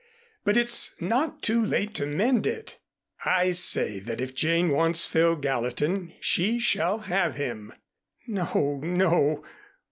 But it's not too late to mend it. I say that if Jane wants Phil Gallatin, she shall have him." "No, no.